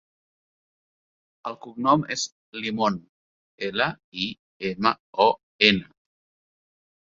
El cognom és Limon: ela, i, ema, o, ena.